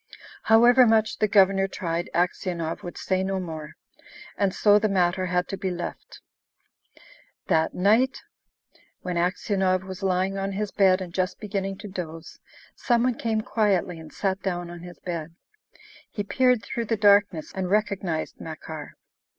However much the Governor tried, Aksionov would say no more, and so the matter had to be left. That night, when Aksionov was lying on his bed and just beginning to doze, some one came quietly and sat down on his bed. He peered through the darkness and recognised Makar.